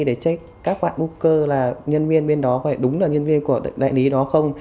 để check các bạn booker là nhân viên bên đó đúng là nhân viên của đại lý đó không